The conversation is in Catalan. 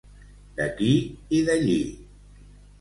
D'aquí i d'allí.